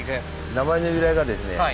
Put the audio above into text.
名前の由来がですね